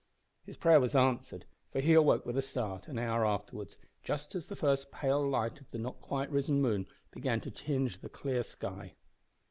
His prayer was answered, for he awoke with a start an hour afterwards, just as the first pale light of the not quite risen moon began to tinge the clear sky.